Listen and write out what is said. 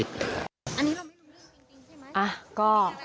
อันนี้เราไม่รู้เรื่องจริงใช่ไหม